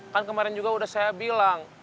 kan kemarin juga sudah saya bilang